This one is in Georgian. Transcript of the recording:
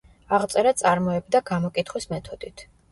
აღწერა წარმოებდა გამოკითხვის მეთოდით.